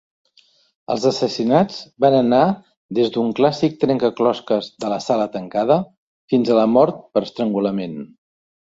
Els assassinats van anar des d'un clàssic trencaclosques de la sala tancada fins a la mort per estrangulament.